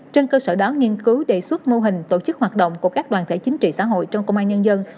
trên cơ sở đó nghiên cứu đề xuất mô hình tổ chức hoạt động của các đoàn thể chính trị xã hội trong công an nhân dân